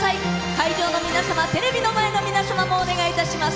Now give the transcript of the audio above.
会場の皆様、テレビの前の皆様もお願いいたします。